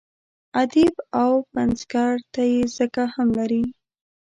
ادیب او پنځګر ته یې ځکه هم لري.